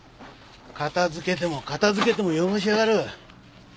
片づけても片づけても汚しやがる。